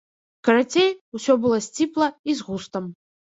Карацей, усё было сціпла і з густам.